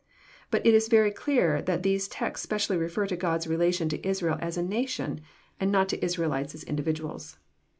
But it is very clear that these texts specially refer to God's relation to Israel as a nation, and not to Israelites as individuals.